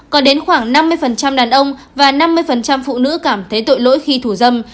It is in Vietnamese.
còn đến khoảng năm mươi đàn ông và năm mươi phụ nữ cảm thấy tội lỗi khi thù dâm